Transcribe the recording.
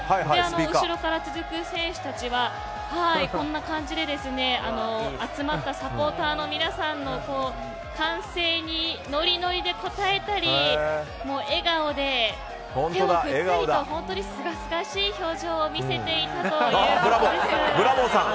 後ろから続く選手たちは集まったサポーターの皆さんの歓声にノリノリで応えたり笑顔で手を振ったりと本当にすがすがしい表情を見せていたということです。